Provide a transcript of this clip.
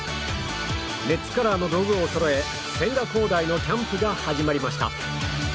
メッツカラーの道具をそろえ千賀滉大のキャンプが始まりました。